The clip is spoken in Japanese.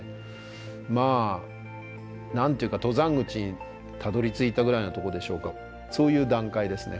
まあ何ていうか登山口にたどりついたぐらいのとこでしょうかそういう段階ですね。